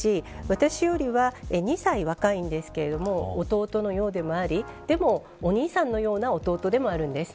私よりは２歳若いんですけれども弟のようでもありでもお兄さんのような弟でもあるんです。